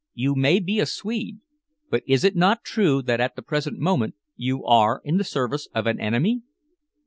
You may be a Swede, but is it not true that at the present moment you are in the service of an enemy?"